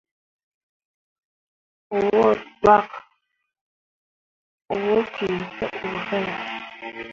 Wǝ ɗwak wo ki te ɓu fine ?